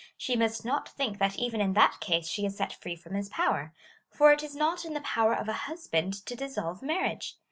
she must not think that even in that case she is set free from his power ; for it is not in tlie power of a husband to dissolve marriage.